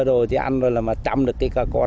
rồi ăn rồi chăm được cây cà con